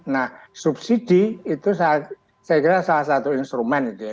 nah subsidi itu saya kira salah satu instrumen gitu ya